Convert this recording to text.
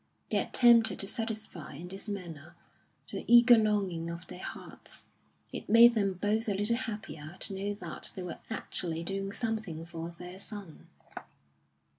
They attempted to satisfy in this manner the eager longing of their hearts; it made them both a little happier to know that they were actually doing something for their son.